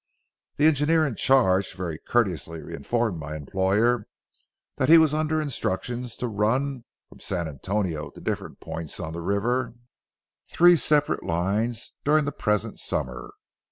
The engineer in charge very courteously informed my employer that he was under instructions to run, from San Antonio to different points on the river, three separate lines during the present summer.